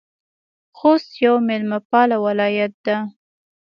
خوست یو میلمه پاله ولایت ده